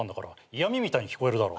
嫌みみたいに聞こえるだろ。